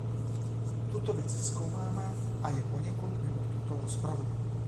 Tuto věc zkoumáme a je poněkud mimo tuto rozpravu.